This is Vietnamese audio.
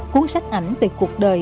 cuốn sách ảnh về cuộc đời